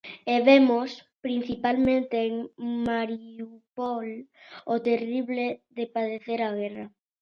E vemos, principalmente en Mariupol, o terrible de padecer a guerra.